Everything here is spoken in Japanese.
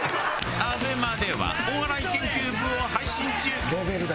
ＡＢＥＭＡではお笑い研究部を配信中。